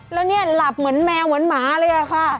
แล้วเนี่ยหลับเหมือนแมวเหมือนหมาเลยอะค่ะ